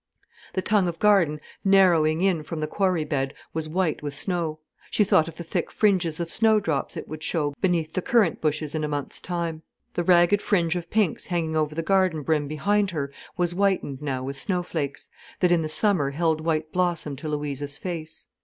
The tongue of garden narrowing in from the quarry bed was white with snow: she thought of the thick fringes of snowdrops it would show beneath the currant bushes in a month's time. The ragged fringe of pinks hanging over the garden brim behind her was whitened now with snow flakes, that in summer held white blossom to Louisa's face.